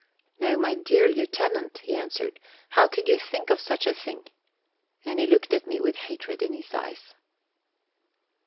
"No, my dear Lieutenant," he answered. "How could you think of such a thing?" And he looked at me with hatred in his eyes.